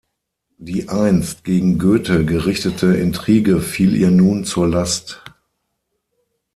Die einst gegen Goethe gerichtete Intrige fiel ihr nun zur Last.